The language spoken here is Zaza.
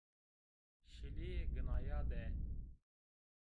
Şilîye ginaya de